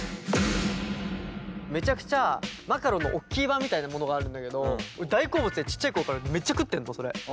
めちゃくちゃマカロンのおっきい版みたいなものがあるんだけど俺大好物でちっちゃい頃からめっちゃ食ってんのそれ。